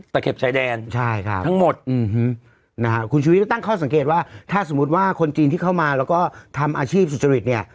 เข็บชายแดนใช่ครับทั้งหมดนะฮะคุณชุวิตก็ตั้งข้อสังเกตว่าถ้าสมมุติว่าคนจีนที่เข้ามาแล้วก็ทำอาชีพสุจริตเนี่ย